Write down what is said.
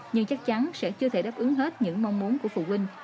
nhưng chắc chắn sẽ chưa thể đáp ứng hết những mong muốn của phụ huynh